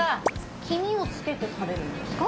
黄身をつけて食べるんですか？